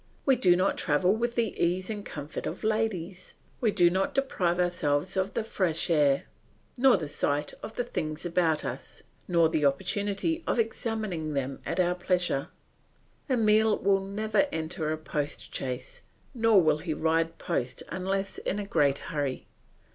We do not travel with the ease and comfort of ladies. We do not deprive ourselves of the fresh air, nor the sight of the things about us, nor the opportunity of examining them at our pleasure. Emile will never enter a post chaise, nor will he ride post unless in a great hurry.